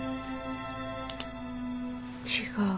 違う。